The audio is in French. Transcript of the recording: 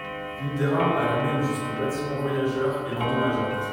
Une des rames alla même jusqu'au bâtiment voyageurs et l'endommagea.